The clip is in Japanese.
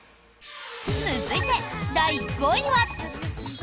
続いて、第５位は。